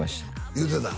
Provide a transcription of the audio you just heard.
言うてた？